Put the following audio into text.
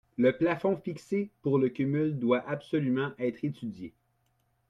Le plafond fixé pour le cumul doit absolument être étudié.